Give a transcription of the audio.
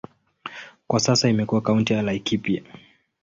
Kwa sasa imekuwa kaunti ya Laikipia.